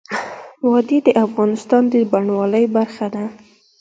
وادي د افغانستان د بڼوالۍ برخه ده.